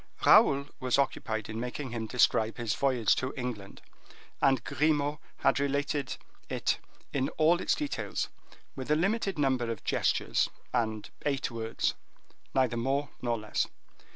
Raoul was occupied in making him describe the voyage to England, and Grimaud had related it in all its details, with a limited number of gestures and eight words, neither more nor less.